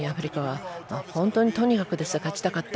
本当にとにかく勝ちたかった。